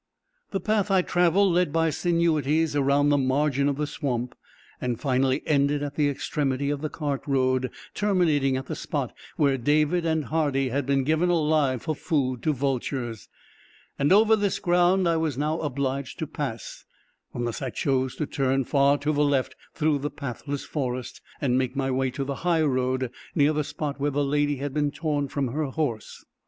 The path I traveled led by sinuosities around the margin of the swamp, and finally ended at the extremity of the cart road terminating at the spot where David and Hardy had been given alive for food to vultures; and over this ground I was now obliged to pass, unless I chose to turn far to the left, through the pathless forest, and make my way to the high road near the spot where the lady had been torn from her horse.